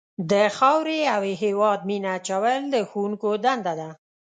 د خاورې او هېواد مینه اچول د ښوونکو دنده ده.